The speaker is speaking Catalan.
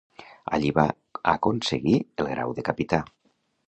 Allí va aconseguir el grau de capità.